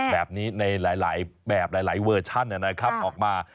แบบนี้ในหลายเวอร์ชั่นออกมา